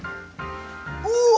うわ！